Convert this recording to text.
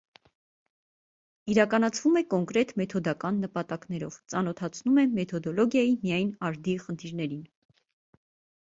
Իրականացվում է կոնկրետ մեթոդական նպատակներով, ծանոթացնում է մեթոդոլոգիայի միայն արդի խնդիրներին։